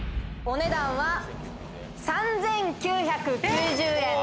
お値段は３９９０円。